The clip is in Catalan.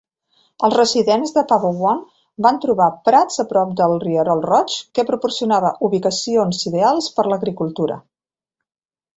els residents de Parowan van trobar prats a prop del rierol Roig que proporcionava ubicacions ideals per l'agricultura.